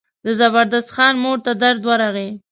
د زبردست خان مور ته درد ورغی.